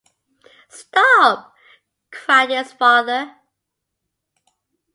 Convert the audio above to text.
‘Stop!’ cried his father.